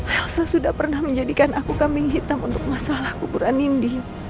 hasa sudah pernah menjadikan aku kambing hitam untuk masalah kuburan ini